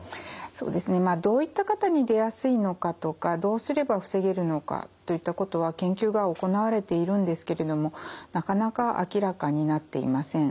そうですねまあどういった方に出やすいのかとかどうすれば防げるのかといったことは研究が行われているんですけれどもなかなか明らかになっていません。